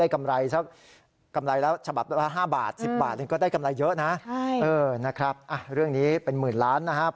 ก็จะได้กำไรเยอะนะเรื่องนี้เป็นหมื่นล้านนะครับ